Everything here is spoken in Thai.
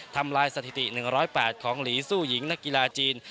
ทำลายสถิติ๑๐๘ของหลีสู้หญิงนักกีฬาจีน